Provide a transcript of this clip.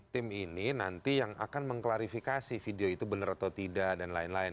tim ini nanti yang akan mengklarifikasi video itu benar atau tidak dan lain lain